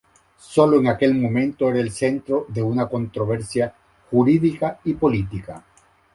Sólo en aquel momento era el centro de una controversia jurídica y política.